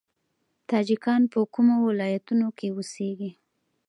تاجکان په کومو ولایتونو کې اوسیږي؟